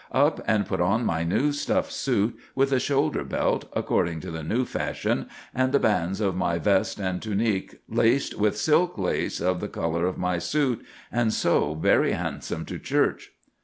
Up and put on my new stuff suit, with a shoulder belt, according to the new fashion, and the bands of my vest and tunique laced with silk lace of the colour of my suit; and so very handsome to church."